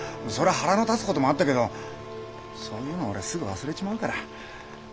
そりゃ腹の立つ事もあったけどそういうの俺すぐ忘れちまうから。